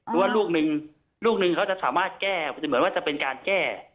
เพราะว่าลูกนึงลูกนึงเขาจะสามารถแก้เหมือนว่าจะเป็นการแก้